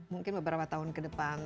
mungkin beberapa tahun ke depan